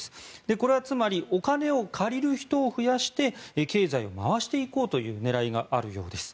これはつまりお金を借りる人を増やして経済を回していこうという狙いがあるようです。